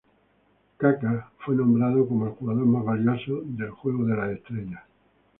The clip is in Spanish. Kaká fue nombrado como el jugador más valioso del juego de las estrellas.